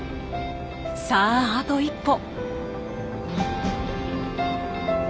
さああと一歩！